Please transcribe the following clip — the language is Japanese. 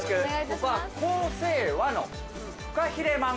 ここは公生和の「フカヒレまん」。